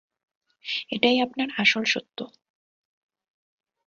এটাই আপনার আসল সত্য।